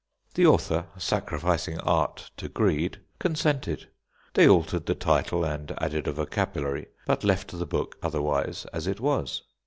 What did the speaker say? The author, sacrificing art to greed, consented. They altered the title and added a vocabulary, but left the book otherwise as it was.